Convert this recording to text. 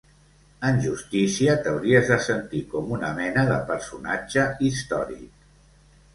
En justícia, t'hauries de sentir com una mena de personatge històric